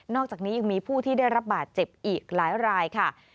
อกจากนี้ยังมีผู้ที่ได้รับบาดเจ็บอีกหลายรายค่ะ